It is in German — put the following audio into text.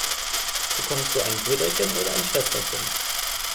Bekommst du ein Brüderchen oder ein Schwesterchen?